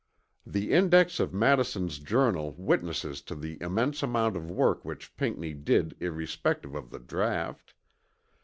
The index of Madison's Journal witnesses to the immense amount of work which Pinckney did irrespective of the draught.